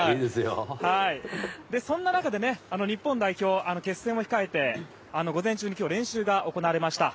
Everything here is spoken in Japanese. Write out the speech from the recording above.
そんな中で日本代表決戦を控えて午前中に今日、練習が行われました。